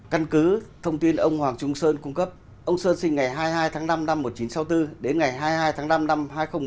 căn cứ thông tin ông hoàng trung sơn cung cấp ông sơn sinh ngày hai mươi hai tháng năm năm một nghìn chín trăm sáu mươi bốn đến ngày hai mươi hai tháng năm năm hai nghìn một mươi bốn